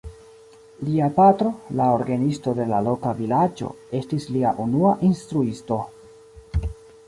Lia patro, la orgenisto de la loka vilaĝo, estis lia unua instruisto.